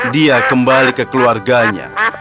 dia kembali ke keluarganya